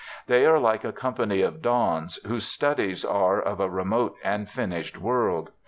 They are like a company of dons whose studies are of a remote and finished world.